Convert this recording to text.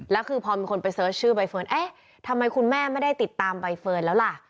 แล้วคือพอมีคนไปเสิร์ชชื่อใบเฟิร์นเอ๊ะทำไมคุณแม่ไม่ได้ติดตามใบเฟิร์นแล้วล่ะ